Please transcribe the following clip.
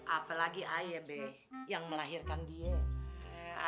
apa lagi ayah b yang melahirkan dia